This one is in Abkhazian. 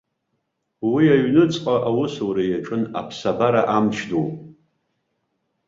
Уи аҩныҵҟа аусура иаҿын аԥсабара амч ду.